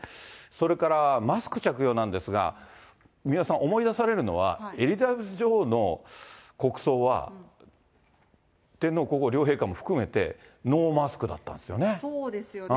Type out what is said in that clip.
それからマスク着用なんですが、三輪さん、思い出されるのは、エリザベス女王の国葬は、天皇皇后両陛下も含めて、そうですよね。